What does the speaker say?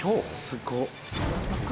すごっ。